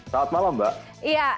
selamat malam mbak